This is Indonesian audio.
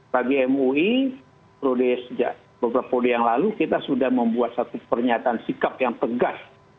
bagi mui sejak beberapa yang lalu kita sudah membuat satu pernyataan sikap yang tegas